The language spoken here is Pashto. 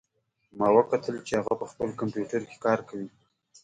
ما وکتل چې هغه په خپل کمپیوټر کې کار کوي